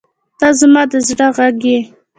• ته زما د زړه غږ یې.